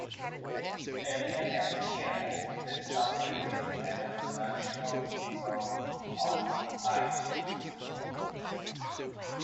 Earlier that year, the song released as a promotional single on iTunes.